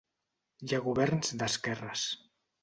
Hi ha governs d'esquerres.